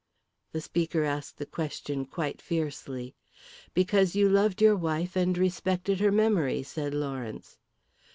The speaker asked the question quite fiercely. "Because you loved your wife and respected her memory," said Lawrence.